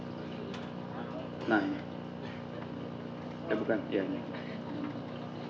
ya bukan dia